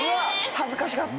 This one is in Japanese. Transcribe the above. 恥ずかしがって。